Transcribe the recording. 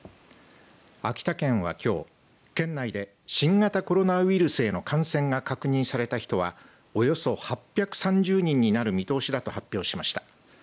秋田県は、きょう県内で新型コロナウイルスへの感染が確認された人はおよそ８３０人になる見通しだと発表しました。